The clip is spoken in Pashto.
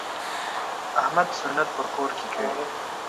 احمد سنت په کور کې کوي.